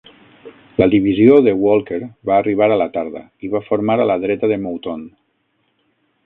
La divisió de Walker va arribar a la tarda i va formar a la dreta de Mouton.